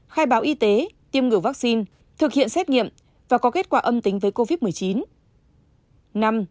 khai báo y tế tiêm ngừa vaccine thực hiện xét nghiệm và có kết quả âm tính với covid một mươi chín